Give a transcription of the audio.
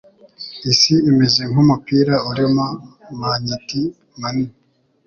Isi imeze nkumupira urimo magneti manini.